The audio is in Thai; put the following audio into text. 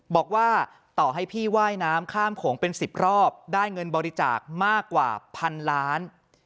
บอกว่าต่อให้พี่ว่ายน้ำข้ามโขงเป็น๑๐รอบได้เงินบริจาคมากกว่าพันล้าน